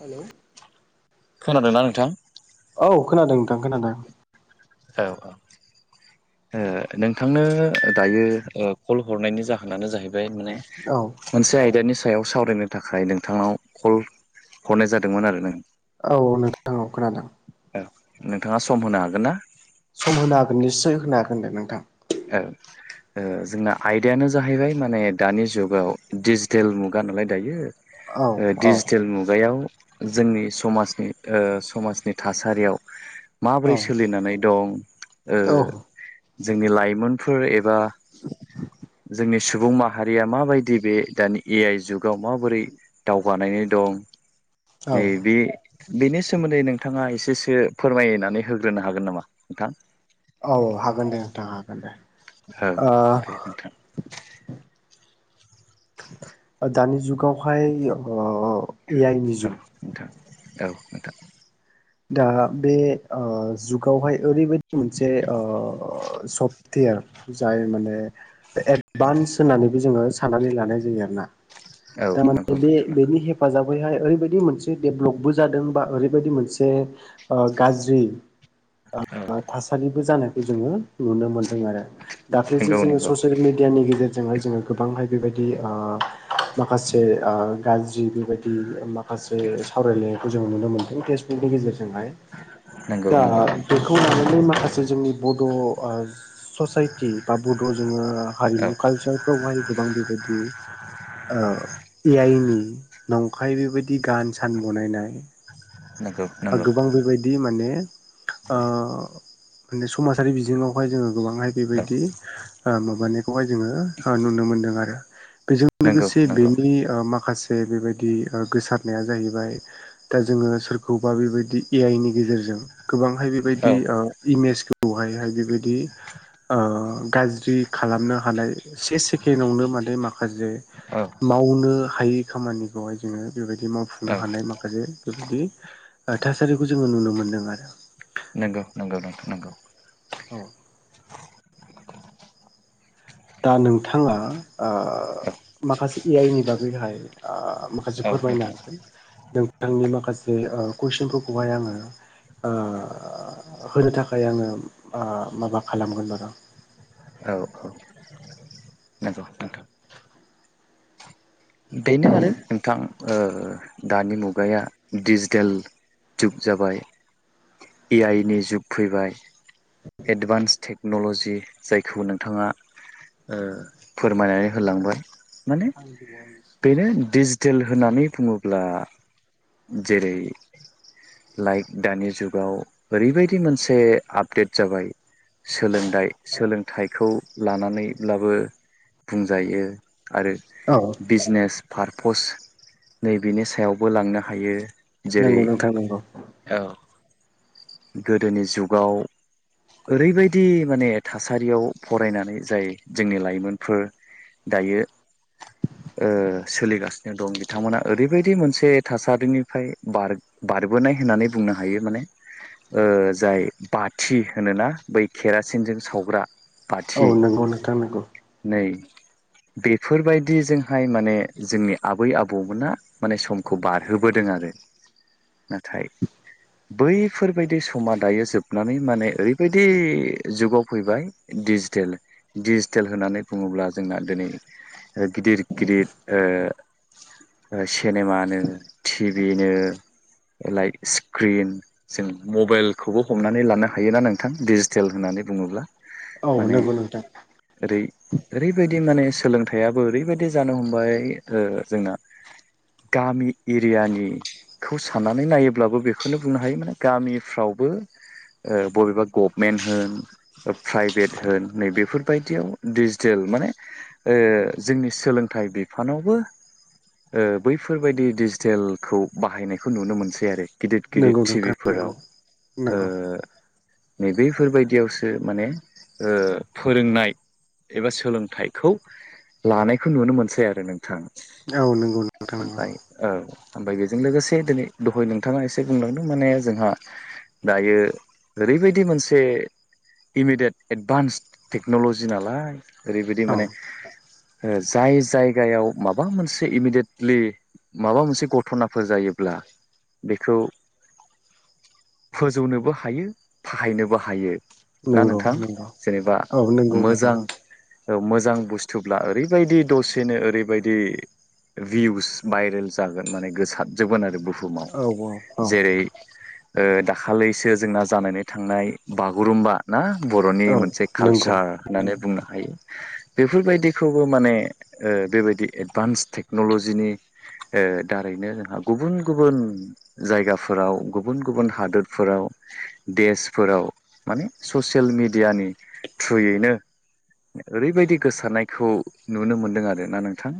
Hello खोनादोंना नोंथां औ खोनादों थां खोनादों औ औ ओ नोंथांनो दायो कल हरनायनि जाहोनानो औ जाहैबा [inaudible] सायाव सावरायनो थाखाय नोंथांनाव कल हरनाय जादोंमोन आरो नों औ नोंथां औ खोनादों। औ नोंथाङा सम होनो हागोन ना सम होनो हागोन निस्सय होनो हागोन दे नोंथां औ जोंना आयदायानो जाहैबाय माने दानि जुगाव डिजिटेल मुगा दा नालाय दायो औ औ डिजिटेल मुगायाव जोंनि समाजनि ओ समाजनि थासारियाव औ माबोरै सोलिनानै दं जोंनि ओ लाइफ मोनफोर एबा जोंनि सुबुं माहारिया माबायदि बे दानि ए आइ जुगाव माबोरै दावगानायनि दं औ नै बे बेनि सोमोन्दै नोंथाङा एसेसो फोरमायनानै होग्रोनो हागोन नामा नोंथां? औ हागोन दे नोंथां हागोन दे। औ दे नोंथां। [inaudible] ओ दानि जुगावहाय ओ अ अ ए आइ नि औ जुग। नोंथां औ नोंथां। दा बे ओ जुगावहाय ओरैबायदि मोनसे ओ सफ्टवेर ओ जाय माने औ एडभान्स होननानैबो जोङो साननानै लानाय जायो आरो ना। औ नंगौ [unintelligible] बे नोंथां बेनि हेफाजाब बैहाय ओरैबायदि मोनसे डेभलपबो जादों बा ओरैबायदि मोनसे ओ गाज्रि औ ओ थासारिबो जानायखौ जोङो नुनो मोनदों आरो दाख्लिसो नंगौ जोङो नंगौ ससियेल मिडि मिडियानि गेजेरजोंहाय जोङो गोबांहाय बेबायदि ओ माखासे आ‌ गाज्रि बेबायदि माखासे सावरायलायनायखौ जों नुनो मोनदों फेस्बुकनि गेजेरजोंहाय नंगौ दा नंगौ बेखौ लानानै माखासे जोंनि बड' ओ ससाइटि बा बड' जोङो औ हारिमु कालसारफ्रावहाय गोबां बेबायदि ओ ए आइनि नंखाय बेबायदि गान सान बनायनाय नंगौ नंगौ गोबां बेबायदि माने ओ माने समाजारि बिजोङावहाय जोङो गोबांहाय औ बेबायदि ओ माबानायखौहाय जोङो ओ नुनो मोनदों आरो। बेजों नंगौ लोगोसे नंगौ बेनि ओ माखासे से बेबायदि ओ गोसारनाया जाहैबाय दा जोङो सोर खौबा बेबायदि ए आइ नि गेजेरजों गोबांहाय औ बेबायदि ओ इमेज खौ हाय हाय बेबायदि ओ गाज्रि खालामनो हानाय से सेकेडआवनो माने माखासे औ मावनो हायै खामानिखौहाय जोङो बेबायदि मावफुंनो औ हानाय माखासे बेबायदि ओ थासारिखौ जोङो नुनो मोनदों आरो। नोंगौ नोंगौ नोंथां नोंगौ। औ दा नोंथाङा औ ओ माखासे ए आइ नि बागैहाय ओ माखासे औ फोरमायनो नोंथां हागोन नों आंनि माखासे ओ कुइसनफोरखौहाय आङो ओ होनो थाखाय आङो ओ माबा खालामगोन बार'। औ औ नंगौ नोंथा। बेनो आरो नोंथां। ओ दानि मुगाया दिडिजिटेल जुग जाबाय। ए आइ नि जुग फैबाय एडभान्स थेक्न'लजि जायखौ नोंथाङा ओ फोरमायनानै होलांबाय। माने आंनि दि [unintelligible] बेनो डिजिटेल होननानै बुङोब्ला जेरै लाइक दानि जुगाव ओरैबायदि मोनसे आपडेट जाबाय सोलोंदाइ सोलोंथाइखौ लानानैब्लाबो बुंजायो। आरो औ नेस पारपस नै बेनि सायावबो लांनो हायो। जेरै नोंगौ नोंथां नोंगौ ओ गोदोनि जुगाव ओरैबायदि माने थासारियाव फरायनानै जाय जोंनि लाइमोनफोर दायो ओ सोलिगासिनो दं बिथांमोना ओरैबायदि मोनसे थासारिनिफ्राय बार बारबोनाय होननानै बुंनो हायो माने ओ जाय बाथि होनोना बै केरासिनजों सावग्रा औ पाथि नंगौ नोंथां नंगौ नै बेफोरबायदिजोंहाय माने जोंनि आबै आबौमोना माने समखौ बारहोबोदों आरो नाथाय बैफोरब ओरैबायदि समा दायो जोबनानै माने ओरैबायदि जुगाव फैबाय डिजिटेल डिजिटेल होननानै बुंङोब्ला जोंना दिनै ओ गिदिर गिदिर ओ सिनेमानो टिभिनो लाइ स्क्रिन जों मबाइलखौबो हमनानै लानो हायोना नोंथां डिजिटेल होननानै बुङोब्ला औ माने नंगौ नोंथां ओरै ओरैबायदि माने सोलोंथाइाबो ओरैबायदि जानो हमबाय ओ जोंना गामि एरियानिखौ साननानै नायोब्लाबो बेखौनो बुंनो हायो माने गामिफ्रावबो ओ बबेबा गभमेन्ट होन प्राइभेट होन नै बेेफोरबायदियाव डिजिटेल माने ओ जोंनि सोलोंथाइ बिफानावबो ओ बैफोरबायदि डिजिटेलखौ बाहायनायखौ नुनो मोनसै आरो। गिदिर गिदिर नंगौ नोंथां टिभिफोराव नंगौ ओ नंगौ नैबेफोरबायदियावसो माने ओ फोरोंनाय एबा सोलोंथाइखौ लानायखौ नुनो मोनसै आरो नोंथां। औ नंगौ नोंथां नंगौ ओमफ्राय औ ओमफ्राय बेजों लोगोसे दिनै दहाय नोंथाङा एसे बुंलांदों माने जोंहा दायो ओरैबायदि मोनसे इमिडियेट एडभान्स टेक्न'ल'जि नालाय ओरैबायदि औ माने जाय जायगायाव माबा मोनसे इमिडियेटलि माबा मोनसे घथ'नाफोर जायोब्ला बेखौ फोजौनोबो हायो बाहायनोबो हायो। ना नंगौ नोंथां? नंगौ जेनेबा औ नंगौ नंगौ मोजां मोजां बुस्थुब्ला ओरैबायदि दसेनो ओरैबायदि भिउस भाइरेल जागोन माने गोसारजोबगोन आरो बुहुमाव औ औ औ जेरै ओ दाखालिसो जोंना जानानै थांनाय बागुरुम्बा ना बर'नि औ मोनसे नंगौ कालचार होननानै बुंनो हायो। बेफोरबायदिखौबो माने ओ बेबायदि ओ एडभान्स टेक्न'लजिनि ओ दारैनो जोंहा गुबुन गुबुन जायगाफोराव गु गुबुन गुबुन हादोरफोराव देशफोराव माने ससियेल मेडियानि थ्रुयैनो ओरैबायदि गोसारनायखौ नुनो मोनदों आरोना नोंथां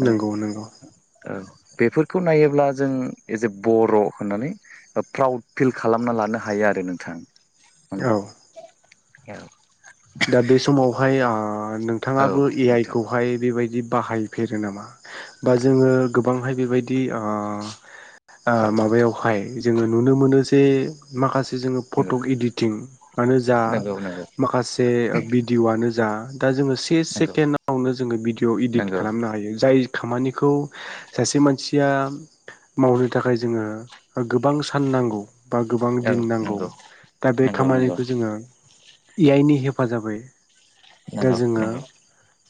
माने नंगौ नंगौ औ बेफोरखौ नायोब्ला जों एज ए बर' होननानै प्राउड फिल खालामना लानो हायो आरो नोंथां औ औ दा बे समावहाय ओ औ नोंथाङाबो ए आइ नोंथां खौहाय बेबायदि बाहायफेरो नामा बा जोंङो गोबांहाय बेबायदि ओ ओ औ नोंथां माबायावहाय जोङो नुनो मोनो जे माखासे जोङो फटक इडिटिंआनो जा नंगौ नंगौ माखासे भिडिअ'आनो जा दा जोङो से नंगौ नंगौ सेकेण्डआवनो जोङो भिडिअ' इदिट नंगौ खालामनो हायो जाय खामानिखौ सासे मानसिया मावनो थाखाय जोङो गोबां सान नांगौ बा गोबां औ दिन नांगौ नंगौ दा बे नंगौ नंगौ खामानिखौ जोङो इ आइ नि हेफाजाबै दा नंगौ जोङो नंगौ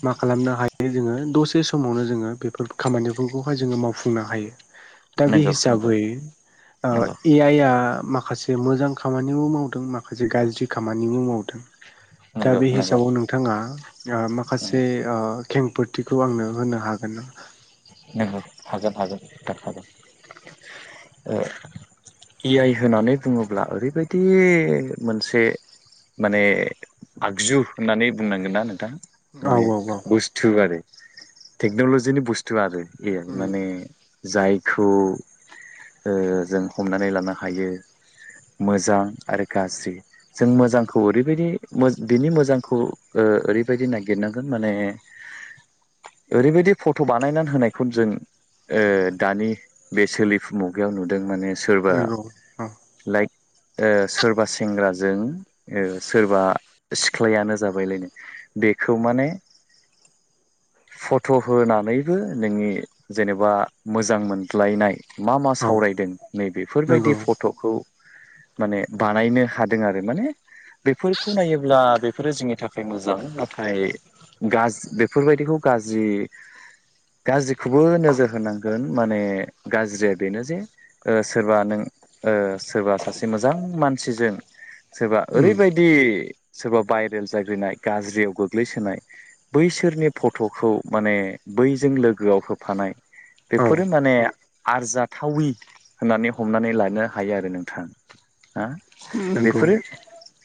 मा खालामनो हायो जोङो दसे से समावनो जोङो बेफोर खामानिफोरखौहाय जोङो मावफुंनो हायो। दा बे नंगौ नंगौ हिसाबै ओ नंगौ ए आइ आ माख माखासे मोजां खामानिबो मावदों माखासे गाज्रि खामानिबो मावदों दा नंगौ बे नंगौ हिसाबाव नोंथाङा माखासे खेंफोरथिखौ आंनो होनो हागोन औ हागोन हागोन हागोन औ! ए आइ होननानै बुङोब्ला ओरैबायदि मोनसे माने आगजु होननानै बुंनांगोन ना नोंथां। औ माने औ औ बुस्थु आरो टेकनलजिनि बुस्तु आरो। ए माने जायखौ। जों हमनानै लानो हायो। मोजां आरो गाज्रि जों मोजांखौ ओरैबायदि बिनि मोजांखौ। ओ ओरै बादि नागिरनांगोन माने आरैबादि फथ बानायनानै होनायखौ जों दानि बे सोलिफु मुगायाव नुदों माने सोरबा नंगौ औ लाइक ओ सोरबा सेंग्राजों सोरबा सिख्लायानो जाबायलायनो बेखौ माने फट' होनानै बो नोंनि जेनेबा मोजां मोनज्लायनाय मा मा औ सावरायदों नैबेफोरबायदि नंगौ फट'खौ। माने बानायनो हादों आरो माने बेफोरखौ नायोब्ला बेफोरो जोंनि थाखाय मोजां नाथाय गाज्रि बेफोरबायदिखौ गाज्रि। गाज्रिखौबो नोजोर होनांगोन माने गाज्रिया बेनो जे सोरबा नों। ओ सोरबा सासे मोजां मानसिजों सोरबा उम ओरैबायदि। सोरबा भाइरेल जाग्रोनाय गाज्रियाव गोग्लैसोनाय बैसोरनि फट'खौ माने बै। जों लोगोआव होफानाय औ बेफोरो माने आरजाथावि होननानै हमनानै लानो हायो आरो नोंथां हा। नंगौ बेफोरो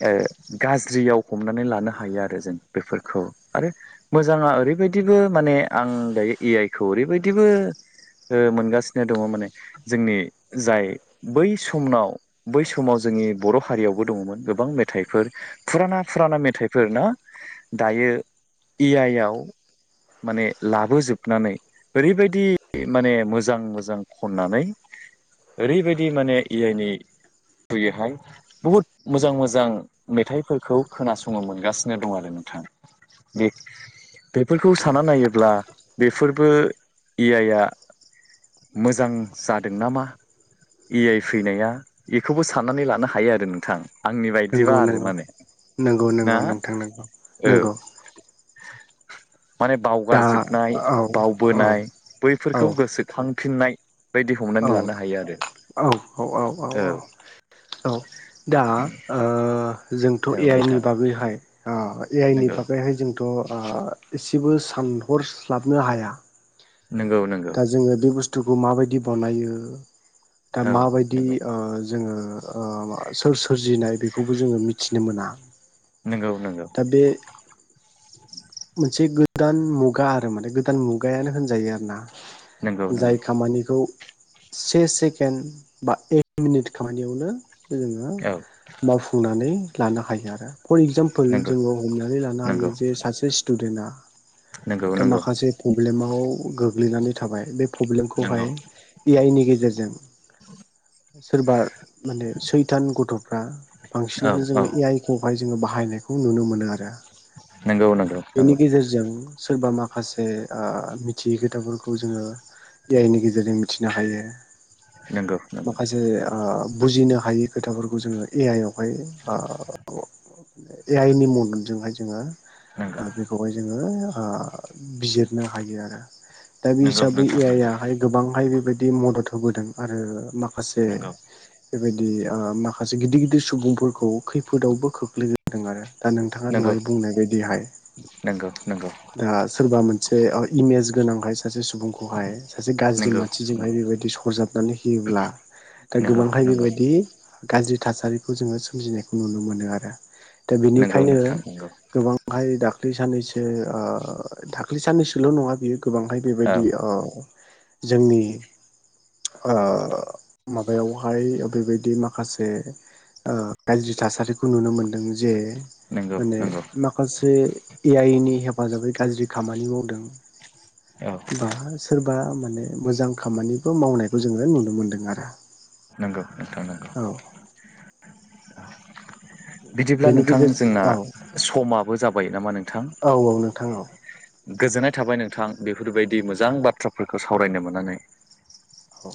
ओ गाज्रियाव हमनानै लानो हायो हायो आरो जों बेफोरखौ आरो मोजाङा ओरैबायदिबो माने आं। दायो ए आइ खौ ओरैबायदिबो ओ मोनगासिनो दङ माने जोंनि जाय बै समाव बै समाव जों जोंनि बर' हारियावबो दङमोन गोबां मेथाइफोर फुराना फुराना मेथाइफोर ना दायो ए आइ आ माने ला बोजोबनानै ओरैबायदि माने मोजां मोजां खननानै ओरैबायदि माने ए आइनि थ्रुयैहाय बहुद मोजां मोजां मेथाइफोरखौ खोनासंनो मोनगासिनो दं आरो ना। बेफोरखौ साना नायोब्ला बेफोरबो ए आइआ मोजां जादों नामा। ए आइ फैनाया बेखौबो साननानै लानो हायो आरो नोंथां। आंनि बायदिबा नंगौ आरो नंगौ माने नंगौ ना नंगौ नोंथां नंगौ औ। नंगौ माने दा बावगारजोबनाय औ औ बावबोनाय औ बैफोरखौ गोसोखांफिननाय बायदि औ हमनानै लानो हायो आरो औ। औ दा ओ जोंथ' ए औ आइ नि नोंथां बागैहाय अ ए आइ नि नंगौ बागैहाय जोंथ' अ एसेबो सानहरस्लाबनो हाया नोंगौ नोंगौ। बुथुखौ माबायदि बानायो दा औ माबायदि नंगौ ओ जोङो ओ सोर सोरजिनाय बेखौबो जोङो मिथिनो मोना। नोंगौ नोंगौ। दा बे मोनसे गोदान मुगा आरो माने गोदान मुगायानो होनजायो आरो ना नंगौ जाय नंगौ खामानिखौ। से सेकेन्ड बा एक मिनिट खामानियावनो जोङो औ मावफुंनानै लानो हायो आरो फर एगजामपोल नंगौ जोङो हमनानै लानो हायो नंगौ जे सासे स्टुडेन्टआ नंगौ दा नंगौ माखासे प्रब्लेमाव गोग्लैनानै थाबाय बे पब्लेमखौहाय नंगौ ए आइ नि गेजेरजों सोरबा माने सैथान गथ'फ्रा औ बांसिनानो औ जोङो ए आइ खौहाय जोङो बाहायनायखौ नुनो मोनो आरो नोंगौ नोंगौ बेनि गेजेरजों सोरबा माखासे ओ मिथियै खोथाफोरखौ जोङो ए आइनि गेजेरजों मिथिनो हायो नंगौ नंगौ माखासे ओ बुजिनो हायि खोथाफोरखौ जोङो ए आइ आवहाय ए आइ नि मददजोंहाय जोङो नंगौ ओ बेखौहाय जोङो ओ बिजिरनो हायो आरो दा बे नंगौ हिसाबै ए नोंथां नंगौ आइ आहाय गोबांहाय बे बायदि मदद होबोदों आरो माखासे नंगौ बेबायदि ओ माखासे गिदिर गिदिर सुबुंफोरखौ खैफोदावबो खोख्लैबोदों आरो दा नोंथाङा नंगौ दहाय बुंनाय बायदिहाय नंगौ नंगौ दा सोरबा मोनसे ओ इमेल केस गोनांखाय सासे सुबुंखौहाय सासे गाज्रि नंगौ मानसिजोंहाय नंगौ बेबायदि सरजाबनानै होयोब्ला दा नंगौ गोबांहाय नंगौ बेबायदि गाज्रि थासारिखौ जोङो सोमजिनायखौ नुनो मोनो आरो दा नंगौ बेनिखायनो नोंथां नंगौ गोबांहाय दा दाख्लै साननैसो ओ दाख्लै साननैसोल' नङा बियो गोबांहाय औ बेबायदि ओ जोंनि ओ माबायावहाय बेबायदि माखासे ओ गाज्रि थासारि खौ नुनो मोनदों जे नंगौ माने नंगौ माखासे ए आइ नि हेफाजाबै गाज्रि खामानि औ मावदों बा सोर बा माने मोजां खामानिबो मावनायखौ जोङो नुनो मोनदों आरो नंगौ नोंथां नंगौ औ बिदिब्ला बेनि नोंथां गेजेरजों जोंना औ समाबो जाबाय नामा नों औ औ नोंथां औ गोजोननाय थाबाय नोंथां बेफोरबायदि मोजां बाथ्राफोरखौ सावरायनो मोननानै हो,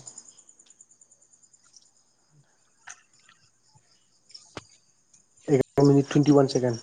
एग्रर' मिनिट टुइन्टि वान सेकण्ड